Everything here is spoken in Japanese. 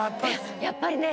やっぱりね。